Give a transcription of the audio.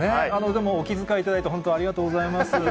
でも、お気遣いいただいて、本当、ありがとうございます。